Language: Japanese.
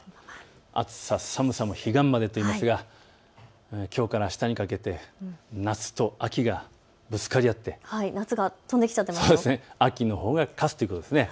暑さ寒さも彼岸までといいますがきょうからあしたにかけて夏と秋がぶつかり合って秋のほうが勝つということです。